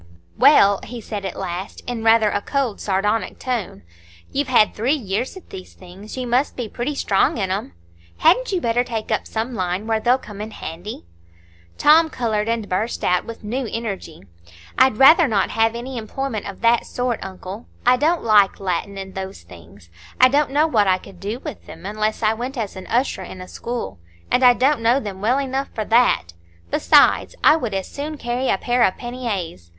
"Well," he said at last, in rather a cold, sardonic tone, "you've had three years at these things,—you must be pretty strong in 'em. Hadn't you better take up some line where they'll come in handy?" Tom coloured, and burst out, with new energy: "I'd rather not have any employment of that sort, uncle. I don't like Latin and those things. I don't know what I could do with them unless I went as usher in a school; and I don't know them well enough for that! besides, I would as soon carry a pair of panniers.